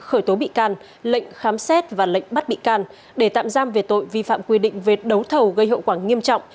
khởi tố bị can lệnh khám xét và lệnh bắt bị can để tạm giam về tội vi phạm quy định về đấu thầu gây hậu quả nghiêm trọng